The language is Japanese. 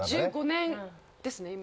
１５年ですね今。